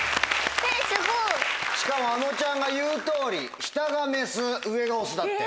しかもあのちゃんが言う通り下がメス上がオスだって。